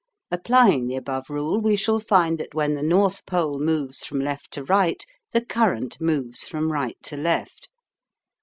Applying the above rule we shall find that when the north pole moves from left to right the current moves from right to left.